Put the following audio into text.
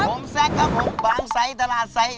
ผมแซคครับผมบางไซส์ตลาดไซส